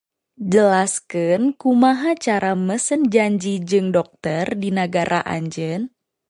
Jelaskeun kumaha cara mesen janji jeung dokter di nagara anjeun?